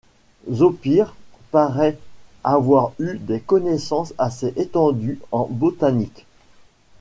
Zopyre paraît avoir eu des connaissances assez étendues en botanique.